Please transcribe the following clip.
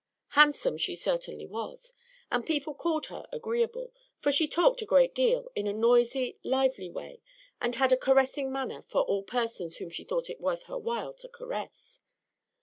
Handsome she certainly was; and people called her agreeable, for she talked a great deal, in a noisy, lively way, and had a caressing manner for all persons whom she thought it worth her while to caress.